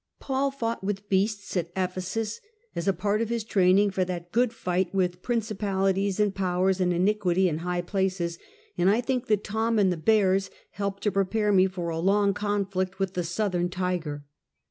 Paul fought with beasts at Ephesus, as a part of his training for that " good fight " with principalities and powers and iniquity in high places, and I think that Tom and the bears helped to prepare me for a long conflict with the southern tiger.